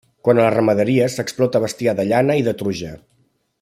Quant a la ramaderia s'explota bestiar de llana i de truja.